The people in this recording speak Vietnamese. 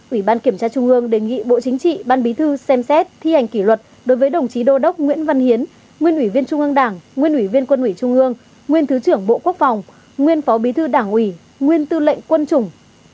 ủy ban kiểm tra trung ương đề nghị bộ chính trị ban bí thư xem xét thi hành kỷ luật đối với đồng chí đô đốc nguyễn văn hiến nguyên ủy viên trung ương đảng nguyên ủy viên quân ủy trung ương nguyên thứ trưởng bộ quốc phòng nguyên phó bí thư đảng ủy nguyên tư lệnh quân chủng